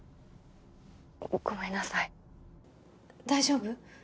ごめんなさい大丈夫？